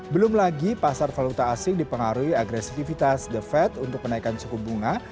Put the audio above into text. belum lagi pasar valuta asing dipengaruhi agresivitas the fed untuk menaikkan suku bunga